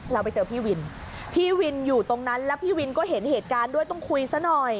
เราไปเจอพี่วินพี่วินอยู่ตรงนั้นแล้วพี่วินก็เห็นเหตุการณ์ด้วยต้องคุยซะหน่อย